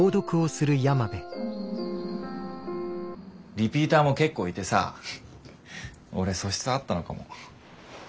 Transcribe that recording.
リピーターも結構いてさ俺素質あったのかも。